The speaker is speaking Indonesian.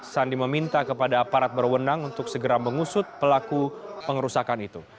sandi meminta kepada aparat berwenang untuk segera mengusut pelaku pengerusakan itu